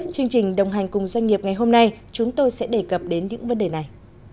chương trình đồng hành cùng doanh nghiệp ngày hôm nay chúng tôi sẽ đề cập đến những vấn đề này